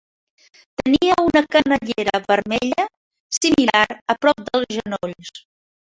Tenia una canellera vermella similar a prop dels genolls.